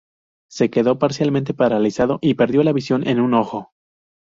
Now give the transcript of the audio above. Se quedó parcialmente paralizado y perdió la visión en un ojo.